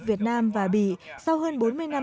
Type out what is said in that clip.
việt nam và bỉ sau hơn bốn mươi năm